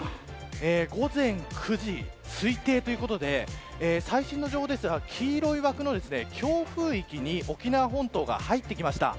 午前９時推定ということで最新の情報ですが黄色い枠の強風域に沖縄本島が入ってきました。